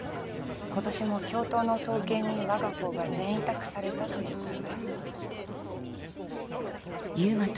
今年も教頭の双肩にわが校が全委託されたということで。